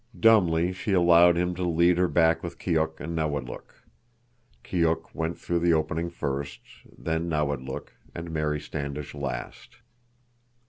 Dumbly she allowed him to lead her back with Keok and Nawadlook. Keok went through the opening first, then Nawadlook, and Mary Standish last.